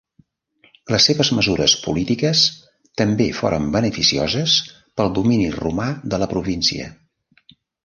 Les seves mesures polítiques també foren beneficioses pel domini romà de la província.